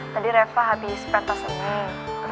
tadi reva habis pentas nunggu